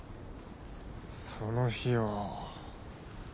その日は。